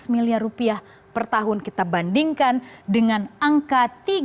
lima belas miliar rupiah per tahun kita bandingkan dengan angka tiga